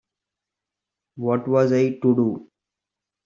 What was I to do?